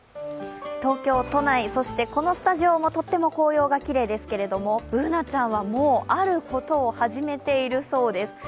東京都内、そしてこのスタジオもとっても紅葉がきれいですけどＢｏｏｎａちゃんはもうあることを始めているそうです。